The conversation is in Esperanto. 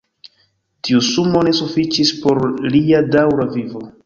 Tiu sumo ne sufiĉis por lia daŭra vivo.